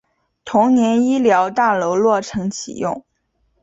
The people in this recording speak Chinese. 同年医疗大楼落成启用。